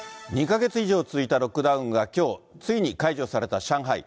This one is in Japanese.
２か月以上続いたロックダウンがきょう、ついに解除された上海。